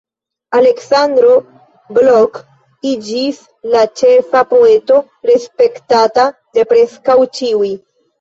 Aleksandro Blok iĝis la ĉefa poeto, respektata de preskaŭ ĉiuj.